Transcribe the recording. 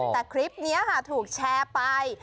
แต่คลิปนี้ค่ะถูกแชร์ไป